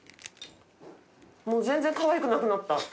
もう全然かわいくなくなった。